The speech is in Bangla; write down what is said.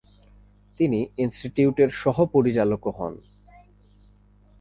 তিনি ইনস্টিটিউটের সহ-পরিচালকও হন।